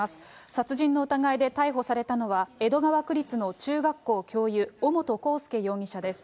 殺人の疑いで逮捕されたのは、江戸川区立の中学校教諭、尾本幸祐容疑者です。